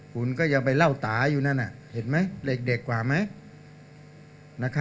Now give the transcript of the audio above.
คุณก็ยังไปเล่าตาอยู่นั่นเห็นไหมเด็กกว่าไหม